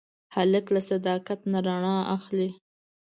هلک له صداقت نه رڼا اخلي.